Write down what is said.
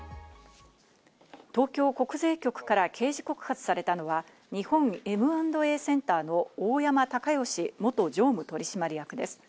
東京国税局から刑事告発されたのは、日本Ｍ＆Ａセンターの大山敬義元常務取締役です。